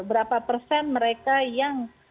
berapa persen mereka yang